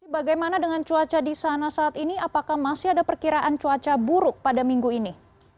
bagaimana dengan cuaca di sana saat ini apakah masih ada perkiraan cuaca buruk pada minggu ini